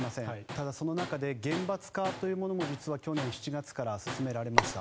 ただ、その中で厳罰化というものも実は去年７月から進められました。